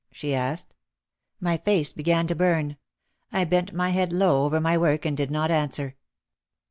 she asked. My face began to burn. I bent my head low over my work and did not answer.